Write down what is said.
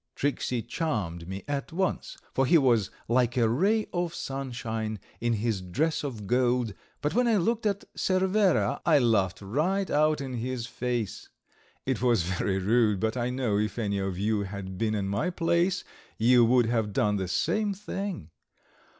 Tricksey charmed me at once, for he was like a ray of sunshine in his dress of gold, but when I looked at Cervera I laughed right out in his face. It was very rude, but I know if any of you had been in my place you would have done the same thing.